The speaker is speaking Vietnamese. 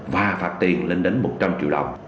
và phạt tiền lên đến một trăm linh triệu đồng